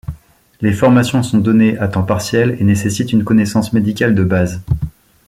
Les formations sont données à temps partiel et nécessitent une connaissance médicale de base.